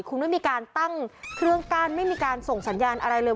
คุณไม่มีการตั้งเครื่องกั้นไม่มีการส่งสัญญาณอะไรเลย